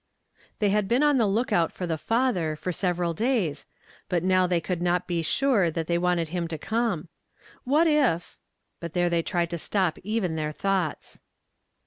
They had been on the lookout for the father for several days, but now they could not be sure that they wanted him to come. What if — but there they tried to stop even their thoughts.